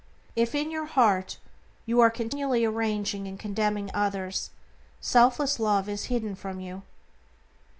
If, in your heart, you are continually arraigning and condemning others, selfless Love is hidden from you.